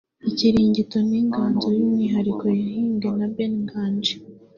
Inkirigito ni inganzo y’umwihariko yahimbwe na Ben Nganji